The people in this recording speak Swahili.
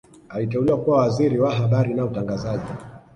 Aliteuliwa kuwa Waziri wa Habari na Utangazaji